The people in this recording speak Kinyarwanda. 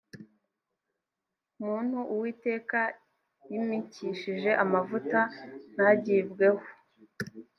muntu uwiteka yimikishije amavuta ntagibweho